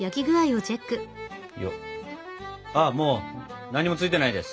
ああもう何もついてないです。